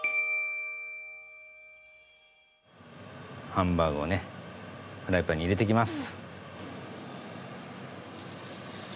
ハンバーグをねフライパンに入れていきます。